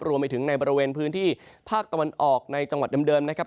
รวมไปถึงในบริเวณพื้นที่ภาคตะวันออกในจังหวัดเดิมนะครับ